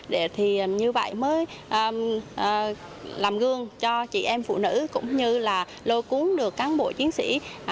để thì như vậy mới làm gương cho chị em phụ nữ cũng như là lôi cuốn được cán bộ chiến sĩ